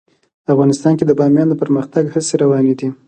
افغانستان کې د بامیان د پرمختګ هڅې روانې دي.